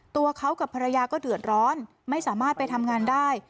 ตัวเขากับภรรยาก็เดือดร้อนไม่สามารถไปทำงานได้